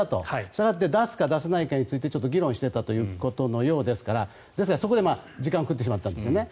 したがって出すか出さないかについて議論していたということのようですからそこで時間を食ってしまったんですね。